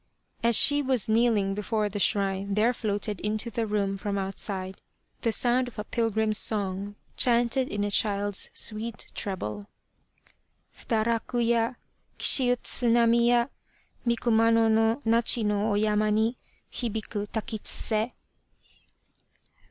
As she was kneeling before the shrine there floated into the room from outside the sound of a. pilgrim's song chanted in a child's sweet treble. Fudaraku ya ! Kishi utsu nami ya Mi Kumano no Nachi no oyama ni Hibiku takitsuse.